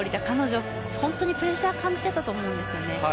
彼女、本当にプレッシャーを感じていたと思うんですよね。